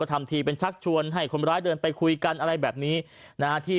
ทำทีเป็นชักชวนให้คนร้ายเดินไปคุยกันอะไรแบบนี้นะฮะที่